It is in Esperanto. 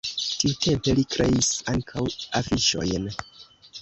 Tiutempe li kreis ankaŭ afiŝojn.